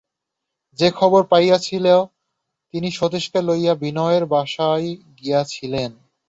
সে খবর পাইয়াছিল তিনি সতীশকে লইয়া বিনয়ের বাসায় গিয়াছিলেন।